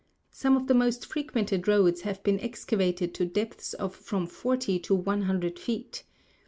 Some of the most frequented roads have been excavated to depths of from forty to one hundred feet.